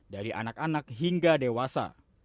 dari anak anak hingga dewasa